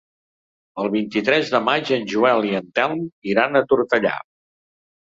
El vint-i-tres de maig en Joel i en Telm iran a Tortellà.